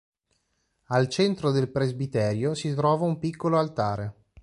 Al centro del presbiterio di trova un piccolo altare.